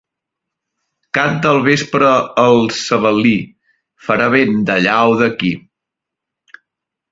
Canta al vespre el sebel·lí: «Farà vent d'allà o d'aquí».